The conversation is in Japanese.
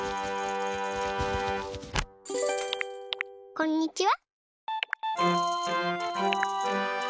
こんにちは。